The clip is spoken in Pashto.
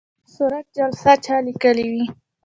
صورت جلسه چا لیکلې وي؟